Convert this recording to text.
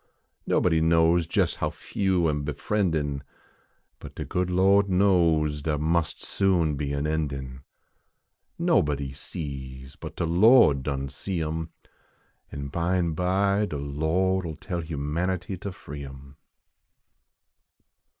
Nobody knows jes how few am befriendin . But de good Lo d knows dar must soon be an endin Nobody sees but de Lo d done see em, An bime bv de Lo d 11 tell humanitv ter free em.